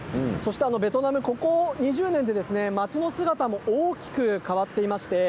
ベトナムはここ２０年街の姿も大きく変わっています。